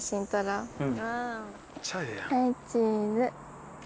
うん。はいチーズ。